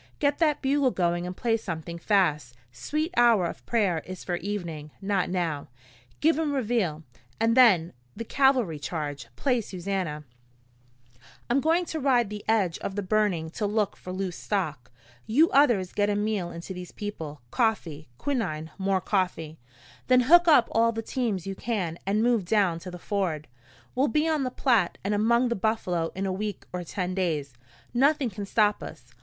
Get that bugle going and play something fast Sweet Hour of Prayer is for evening, not now. Give 'em Reveille, and then the cavalry charge. Play Susannah. "I'm going to ride the edge of the burning to look for loose stock. You others get a meal into these people coffee, quinine, more coffee. Then hook up all the teams you can and move down to the ford. We'll be on the Platte and among the buffalo in a week or ten days. Nothing can stop us.